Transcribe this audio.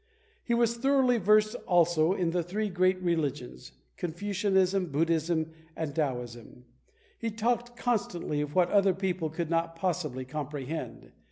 He was thoroughly versed also in the three great religions, Confucianism, Buddhism, and Taoism. He talked constantly of what other people could not possibly comprehend.